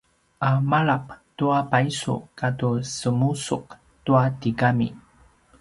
a malap tua paisu katu semusuq tua tigami